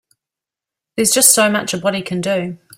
There's just so much a body can do.